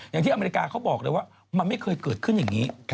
อย่างที่อเมริกาเขาบอกเลยว่ามันไม่เคยเกิดขึ้นอย่างนี้